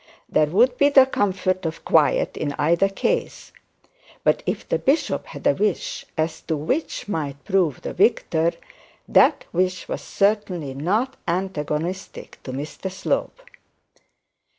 There would be the comfort of quiet in either case; but if the bishop had a wish as to which might prove the victor, that wish was certainly not antagonistic to Mr Slope.